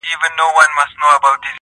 لکه انار دانې، دانې د ټولو مخته پروت يم,